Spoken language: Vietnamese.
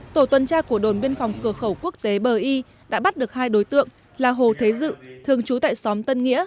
tổ tuần tra của đồn biên phòng cửa khẩu quốc tế bờ y đã bắt được hai đối tượng là hồ thế dự thường trú tại xóm tân nghĩa